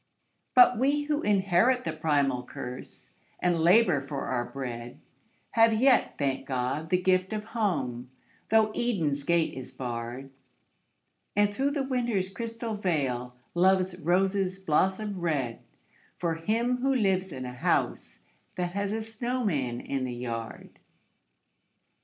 But we who inherit the primal curse, and labour for our bread, Have yet, thank God, the gift of Home, though Eden's gate is barred: And through the Winter's crystal veil, Love's roses blossom red, For him who lives in a house that has a snowman in the yard.